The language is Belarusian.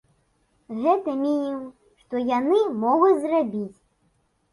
Гэта мінімум, што яны могуць зрабіць.